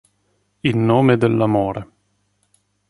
In nome dell'amore